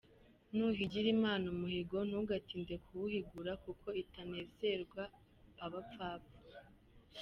Nuhigira Imana umuhigo ntugatinde kuwuhigura, kuko itanezerewe abapfapfa.